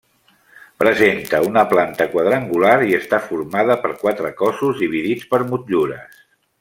Presenta una planta quadrangular i està formada per quatre cossos dividits per motllures.